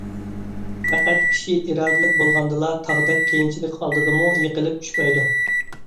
پەقەت كىشى ئىرادىلىك بولغاندىلا تاغدەك قىيىنچىلىق ئالدىدىمۇ يىقىلىپ چۈشمەيدۇ.